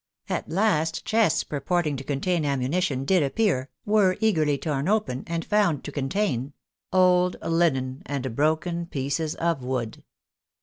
At last chests pur porting to contain ammunition did appear, were eagerly torn open, and found to contain — old linen and broken pieces of wood.